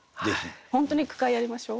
本当に句会やりましょう。